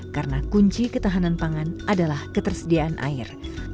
karena kunci ketahanan pangan adalah ketersediaan air